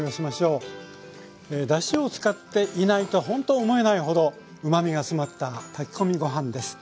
だしを使っていないとほんと思えないほどうまみが詰まった炊き込みご飯です。